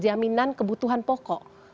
jaminan kebutuhan pokok